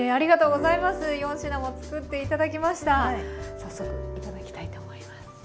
早速頂きたいと思います。